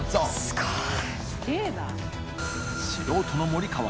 すごい！